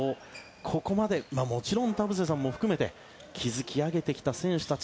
ここまでもちろん田臥さんも含めて築き上げてきた選手たち